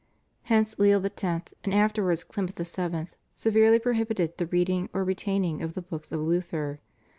Hence Leo X., and afterwards Clement VII., severely prohibited the reading or retaining of the books of Luther.